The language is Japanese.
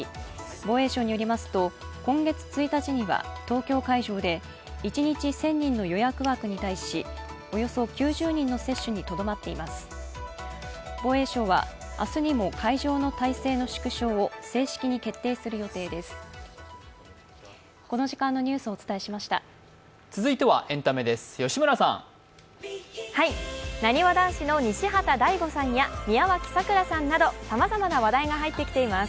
防衛省は明日にも会場の体制の縮小を正式に決定する予定です。